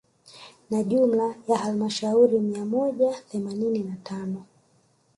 Na jumla ya halmashauri mia moja themanini na tano